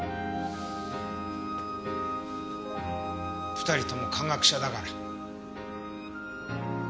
２人共科学者だから。